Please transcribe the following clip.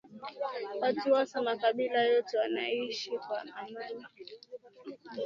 Watu was makabila yote wanaishi kwa amani ma upendo